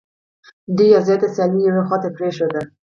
دوی آزاده سیالي یوې خواته پرېښوده